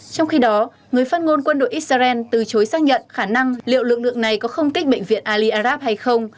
trong khi đó người phát ngôn quân đội israel từ chối xác nhận khả năng liệu lượng lượng này có không kích bệnh viện ali arab hay không